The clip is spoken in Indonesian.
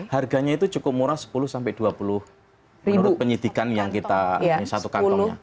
harganya itu cukup murah sepuluh dua puluh ribu menurut penyitikan yang kita satu kantongnya